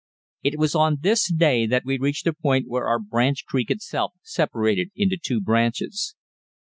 It was on this day that we reached a point where our branch creek itself separated into two branches.